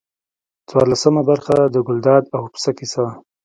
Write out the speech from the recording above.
څوارلسمه برخه د ګلداد او پسه کیسه.